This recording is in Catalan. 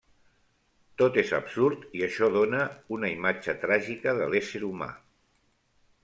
Tot és absurd i això dóna una imatge tràgica de l'ésser humà.